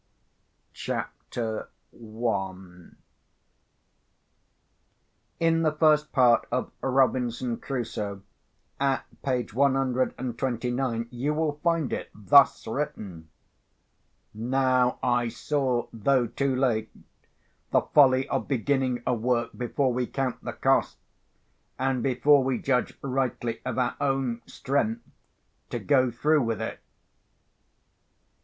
_ CHAPTER I In the first part of Robinson Crusoe, at page one hundred and twenty nine, you will find it thus written: "Now I saw, though too late, the Folly of beginning a Work before we count the Cost, and before we judge rightly of our own Strength to go through with it."